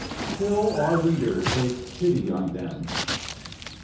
" Till our leader takes pity on them.